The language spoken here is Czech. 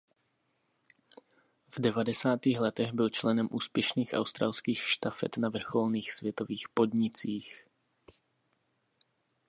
V devadesátých letech byl členem úspěšných australských štafet na vrcholných světových podnicích.